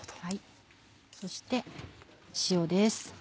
そして塩です。